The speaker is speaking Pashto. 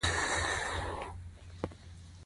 له فقهې او تفسیره رانیولې تر نحو او بلاغته نه وو.